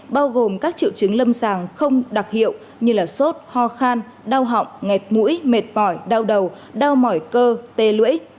bao gồm các triệu chứng lâm sàng không đặc hiệu như sốt ho khan đau họng ngẹt mũi mệt mỏi đau đầu đau mỏi cơ tê lưỡi